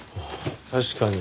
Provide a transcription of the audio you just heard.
確かに。